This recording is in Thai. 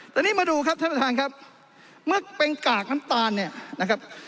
แต่นี่มาดูครับท่านประธานครับเมื่อเป็นกากน้ำตาลเนี่ยนะครับ